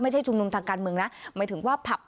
ชุมนุมทางการเมืองนะหมายถึงว่าผับ